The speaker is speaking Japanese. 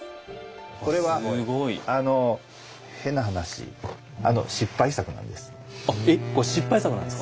これは変な話失敗作なんです。